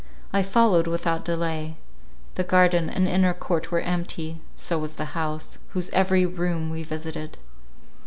I followed without delay; the garden and inner court were empty, so was the house, whose every room we visited.